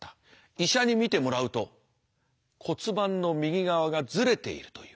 医者に診てもらうと骨盤の右側がずれているという。